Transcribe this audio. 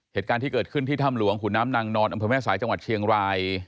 เหตุการณ์ที่เกิดขึ้นที่ถ้ำหลวงขุนน้ำนางนอนอำเภอแม่สายจังหวัดเชียงราย